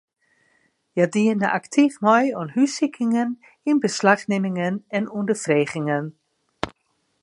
Hja diene aktyf mei oan hússikingen, ynbeslachnimmingen en ûnderfregingen.